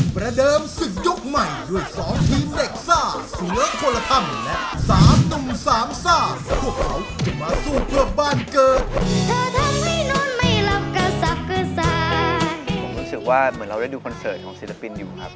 ผมรู้สึกว่าเหมือนเราได้ดูคอนเสิร์ตของศิลปินอยู่ครับ